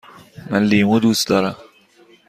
من لیمو دوست دارم.